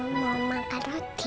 mau makan roti